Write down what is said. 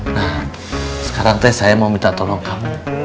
nah sekarang teh saya mau minta tolong kamu